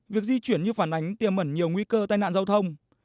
việc di chuyển như phản ánh tiêm mẩn nhiều nguy cơ tai nạn giao thông